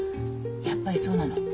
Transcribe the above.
やっぱりそうなの？